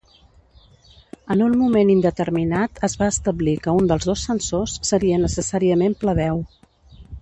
En un moment indeterminat es va establir que un dels dos censors seria necessàriament plebeu.